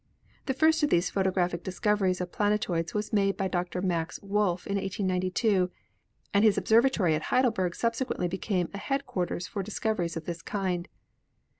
The first of these photographic discoveries of planetoids was made by Dr. Max Wolf in 1892, and his ob servatory at Heidelberg subsequently became a headquar ters for discoveries of this kind.